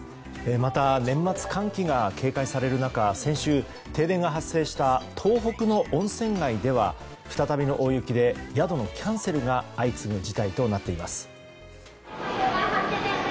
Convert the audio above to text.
また年末寒気が警戒される中先週、停電が発生した東北の温泉街では再びの大雪で宿のキャンセルが相次ぐ事態となっています。